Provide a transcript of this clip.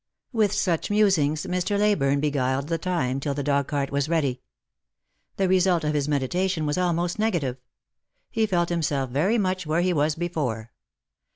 With such musings Mr. Leyburne beguiled the time till the dog cart was ready. The result of his meditation was almost negative. He felt himself very much where he was before.